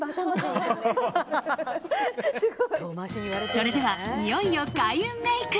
それでは、いよいよ開運メイク。